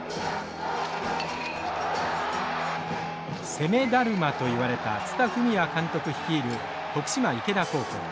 攻めだるまといわれた蔦文也監督率いる徳島池田高校。